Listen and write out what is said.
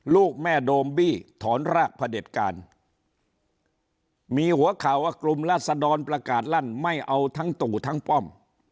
ลูกแม่โดมบี้ถอนรากพระเด็จการมีหัวข่าวว่ากลุ่มราศดรประกาศลั่นไม่เอาทั้งตู่ทั้งป้อม